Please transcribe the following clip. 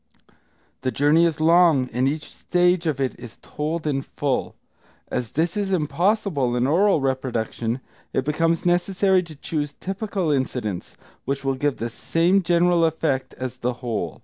The journey is long, and each stage of it is told in full. As this is impossible in oral reproduction, it becomes necessary to choose typical incidents, which will give the same general effect as the whole.